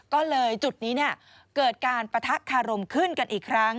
ก็เลยจุดนี้เกิดการปะทะคารมขึ้นกันอีกครั้ง